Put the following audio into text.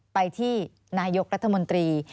ไปที่นายกรัฐมนตรี